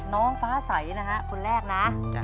น้องฟ้าใสนะฮะคนแรกนะ